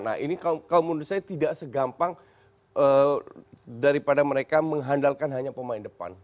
nah ini kalau menurut saya tidak segampang daripada mereka mengandalkan hanya pemain depan